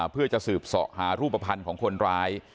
เพื่อจะสืบเสาะหารูปภัณฑ์ของคนร้าย